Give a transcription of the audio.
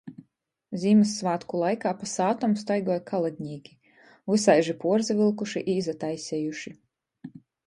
Zīmyssvātku laikā pa sātom staigoj kaladnīki, vysaiži puorsavylkuši i izataisejuši.